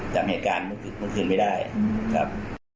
จำเหตุการณ์เมื่อคืนไม่ได้ครับ